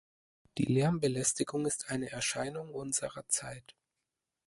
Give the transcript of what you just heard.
Die Lärmbelästigung ist eine Erscheinung unserer Zeit.